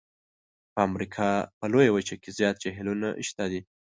په امریکا په لویه وچه کې زیات جهیلونه شته دي.